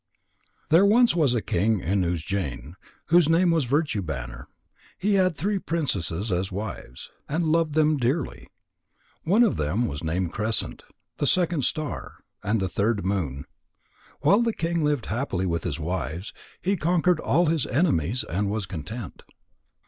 There once was a king in Ujjain, whose name was Virtue banner. He had three princesses as wives, and loved them dearly. One of them was named Crescent, the second Star, and the third Moon. While the king lived happily with his wives, he conquered all his enemies, and was content.